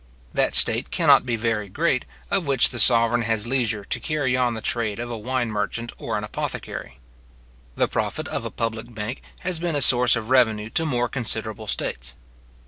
} That state cannot be very great, of which the sovereign has leisure to carry on the trade of a wine merchant or an apothecary. The profit of a public bank has been a source of revenue to more considerable states.